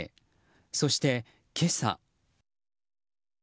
そして、今朝。